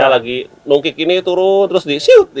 lagi nungkik ini turun terus disiut